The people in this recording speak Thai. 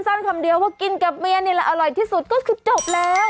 คำเดียวว่ากินกับเมียนี่แหละอร่อยที่สุดก็คือจบแล้ว